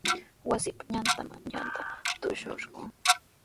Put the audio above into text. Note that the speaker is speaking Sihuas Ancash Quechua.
Wasinpa ñawpanman yanta trurashun.